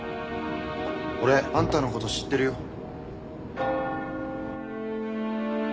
俺あんたの事知ってるよ。